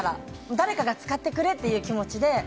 誰かが使ってくれって気持ちで。